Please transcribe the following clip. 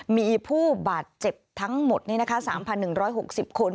มีผู้บาดเจ็บทั้งหมด๓๑๖๐คน